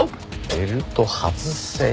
ベルト外せよ。